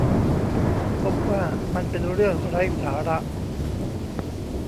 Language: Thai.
พบว่ามันเป็นเรื่องไร้สาระ